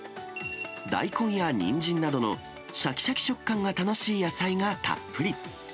大根やにんじんなどのしゃきしゃき食感が楽しい野菜がたっぷり。